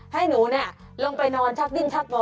ให้หนูลงไปนอนชักดิ้นชักบ่อ